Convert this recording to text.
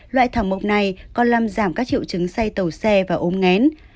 loại thảo mộc này còn làm giảm các triệu chứng say tàu xe và ốm ngén